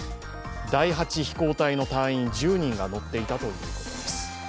第８飛行隊の隊員１０人が乗っていたということです。